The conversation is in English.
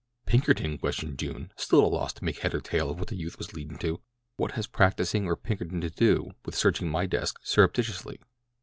"Pinkerton?" questioned June, still at a loss to make head or tail of what the youth was leading to. "What has practising or Pinkerton to do with searching my desk surreptitiously?